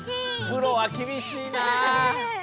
プロはきびしいな。